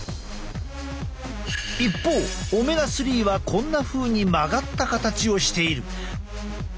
一方オメガ３はこんなふうに曲がった形をしている。